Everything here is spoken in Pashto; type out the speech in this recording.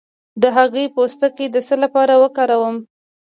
د هګۍ پوستکی د څه لپاره وکاروم؟